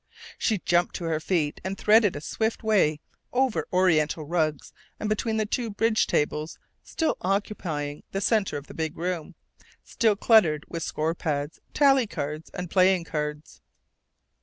She jumped to her feet and threaded a swift way over Oriental rugs and between the two bridge tables, still occupying the center of the big room, still cluttered with score pads, tally cards, and playing cards.